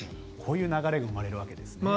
こういう流れが生まれるわけですね。